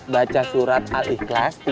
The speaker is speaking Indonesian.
baca surat al ikhlas